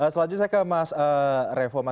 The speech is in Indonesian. selanjutnya saya ke mas revo